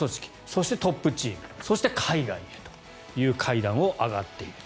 そしてトップチームそして海外へという階段を上がっている。